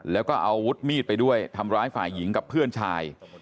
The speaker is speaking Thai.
แล้วก็อาวุธมีดไปด้วยทำร้ายฝ่ายหญิงกับเพื่อนชาย